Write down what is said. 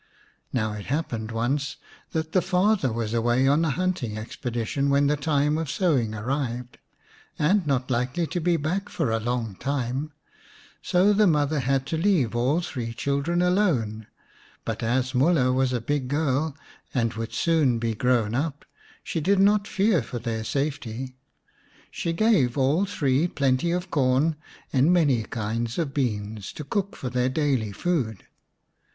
Now it happened once that the father was away on a hunting expedition when the time of sowing arrived, and not likely to be back for a long time. So the 224 xix The Beauty and the Beast mother had to leave all three children alone ; but as Mulha was a big girl and would soon beg rown up, she did not fear for their safety. She gave all three plenty of corn and many kinds of beans to cook for their daily food.